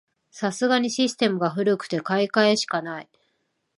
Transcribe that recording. さすがにシステムが古くて買い替えしかない